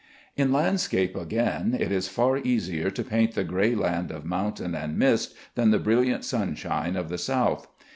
In landscape again, it is far easier to paint the gray land of mountain and mist than the brilliant sunshine of the South.